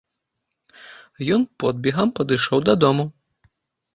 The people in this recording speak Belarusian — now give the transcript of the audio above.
Ён подбегам падышоў дадому.